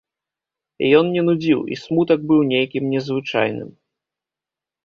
Ён не нудзіў, і смутак быў нейкім незвычайным.